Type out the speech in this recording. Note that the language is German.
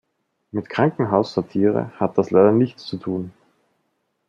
Mit Krankenhaus-Satire hat das leider nichts zu tun.